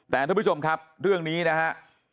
แต่ท่านผู้ชมครับเรื่องนี้นะฮะ